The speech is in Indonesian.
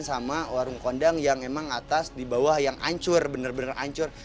sama warung kondang yang emang atas dibawah yang ancur bener bener ancur